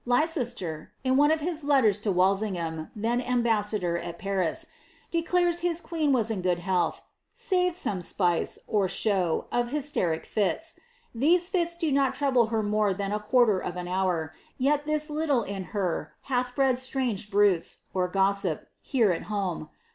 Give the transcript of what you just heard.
Leiw in one of his tetters to WalEingham, then ambassador at Paris, dec that his (jueen was in good heaJth, " save some rpice, or show, of leric fits. These fits did not trouble her more than a quarter c hour, yet this little in her hath bred strange bruits (gossip) hei home.